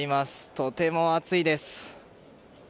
とても暑いです。